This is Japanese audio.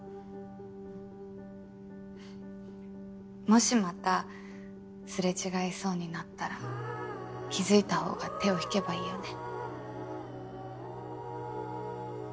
もしまた擦れ違いそうになったら気付いた方が手を引けばいいよね。